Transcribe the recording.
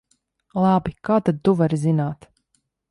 Labi, kā tad tu vari zināt?